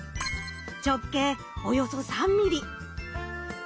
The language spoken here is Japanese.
直径およそ３ｍｍ。